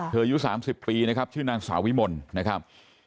อายุ๓๐ปีนะครับชื่อนางสาววิมลนะครับ